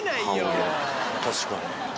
確かに。